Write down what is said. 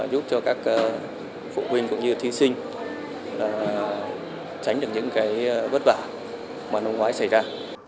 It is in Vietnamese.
giúp cho các phụ huynh cũng như thí sinh tránh được những cái vất vả mà năm ngoái xảy ra